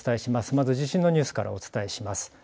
まず地震のニュースからお伝えします。